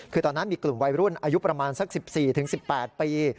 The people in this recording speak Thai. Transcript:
คือตอนนั้นมีกลุ่มวัยรุ่นอายุประมาณสัก๑๔๑๘ปี